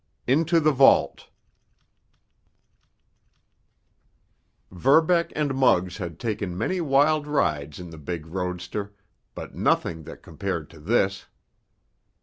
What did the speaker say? —INTO THE VAULT Verbeck and Muggs had taken many wild rides in the big roadster, but nothing that compared to this.